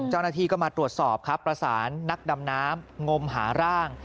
เจ้าหน้าที่ก็มาตรวจสอบครับประสานนักดำน้ำงมหาร่าง